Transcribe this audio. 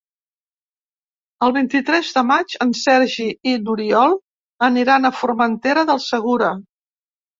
El vint-i-tres de maig en Sergi i n'Oriol aniran a Formentera del Segura.